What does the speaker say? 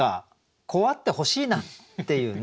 こうあってほしいなっていうね。